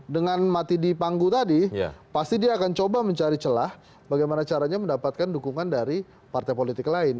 dengan mati di panggu tadi pasti dia akan coba mencari celah bagaimana caranya mendapatkan dukungan dari partai politik lain